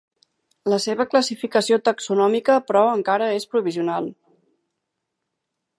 La seva classificació taxonòmica, però encara és provisional.